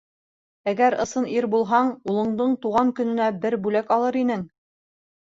Әгәр ысын ир булһаң, улыңдың тыуған көнөнә бер бүләк алыр инең!..